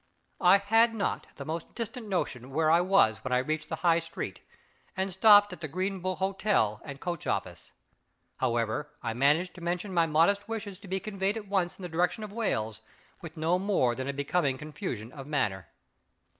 I had not the most distant notion where I was when I reached the High Street, and stopped at The Green Bull Hotel and Coach office. However, I managed to mention my modest wishes to be conveyed at once in the direction of Wales, with no more than a becoming confusion of manner.